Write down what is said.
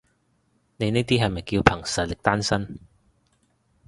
你呢啲係咪叫憑實力單身？